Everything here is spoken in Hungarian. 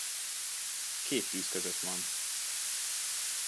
Két tűz között van.